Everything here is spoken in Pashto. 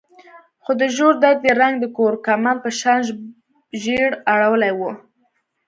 خو ژور درد يې رنګ د کورکمند په شان ژېړ اړولی و.